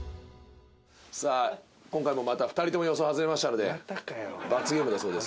さあ今回もまた２人とも予想外れましたので罰ゲームだそうです。